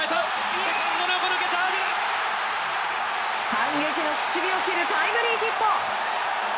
反撃の口火を切るタイムリーヒット！